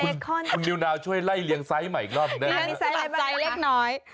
เดี๋ยวคุณนิวนาวช่วยไล่เลี้ยงไซส์ใหม่อีกรอบด้วย